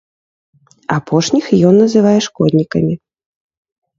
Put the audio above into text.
Апошніх ён называе шкоднікамі.